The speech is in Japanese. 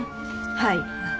はい。